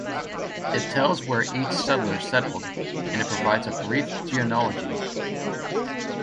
It tells where each settler settled, and it provides a brief genealogy.